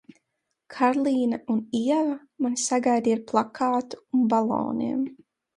Karlīne un Ieva mani sagaidīja ar plakātu un baloniem.